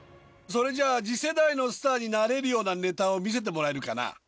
それじゃあ次世代のスターになれるようなネタを見せてもらえるかな？